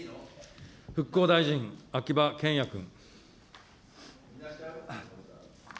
復興大臣、秋葉賢也君。